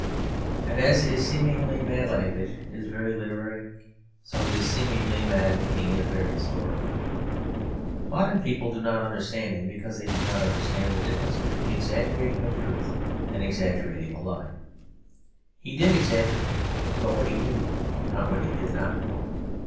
And as his seemingly mad language is very literary, so his seemingly mad meaning is very historical. Modern people do not understand him because they do not understand the difference between exaggerating a truth and exaggerating a lie. He did exaggerate, but what he knew, not what he did not know.